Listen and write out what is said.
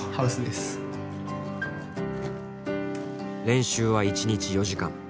練習は一日４時間。